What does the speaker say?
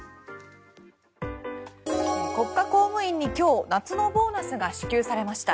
国家公務員に今日夏のボーナスが支給されました。